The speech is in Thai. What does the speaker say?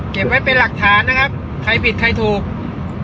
คอลครับป่านหน้าอะไรต่อครับ